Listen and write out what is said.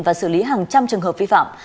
và xử lý hàng trăm trường hợp phi phạm